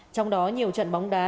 trong đó nhiều trận bóng đá